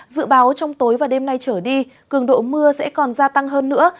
dự báo trong tối và đêm nay trở đi cường độ mưa sẽ còn gia tăng hơn nữa